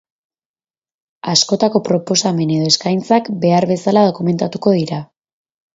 Askotako proposamen edo eskaintzak behar bezala dokumentatuko dira.